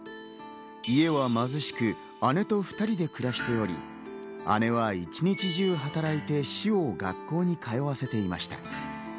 家は貧しく、姉と２人で暮らしており、姉は一日中働いてシオを学校に通わせていました。